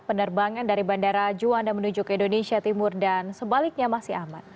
penerbangan dari bandara juanda menuju ke indonesia timur dan sebaliknya masih aman